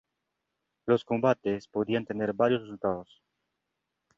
Django tendrá que enfrentarse a Jackson en un dramático duelo en un cementerio.